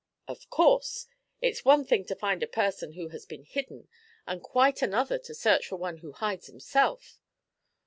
'Of course! It's one thing to find a person who has been hidden, and quite another to search for one who hides himself.